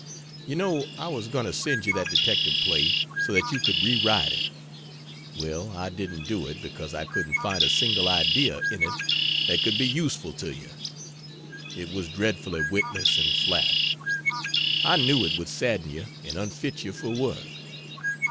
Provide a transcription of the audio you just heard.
You know I was going to send you that detective play, so that you could re write it. Well I didn't do it because I couldn't find a single idea in it that could be useful to you. It was dreadfully witless and flat. I knew it would sadden you and unfit you for work.